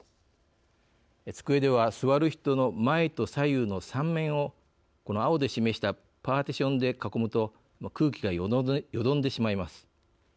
机では座る人の前と左右の３面をこの青で示したパーティションで囲むと空気がよどんでしまいます。